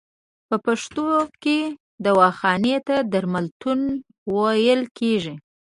په پښتو کې دواخانې ته درملتون ویل کیږی.